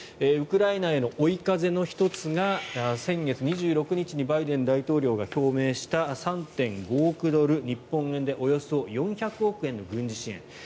ウクライナへの追い風の１つが先月２６日にバイデン大統領が表明した３．５億ドル日本円でおよそ４００億円の軍事支援。